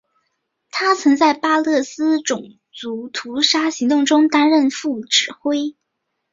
他曾在巴勒斯坦种族屠杀行动中担任副指挥。